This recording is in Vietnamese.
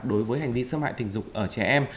đối với hành vi xâm hại tình dục ở trẻ em